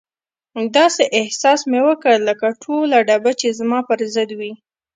داسې احساس مې وکړ لکه ټوله ډبه چې زما پر ضد وي.